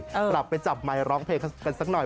กลับไปจับไมค์ร้องเพลงกันสักหน่อย